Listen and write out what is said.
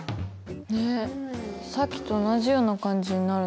えっさっきと同じような感じになるのかな？